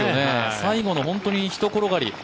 最後の本当にひと転がり。